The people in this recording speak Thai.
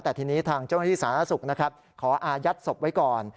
แต่ทีนี้ทางเจ้าหน้าที่สาธารณสุขนะครับขออายัดศพไว้ก่อน